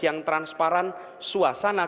yang transparan suasana